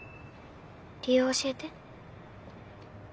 理由教えて。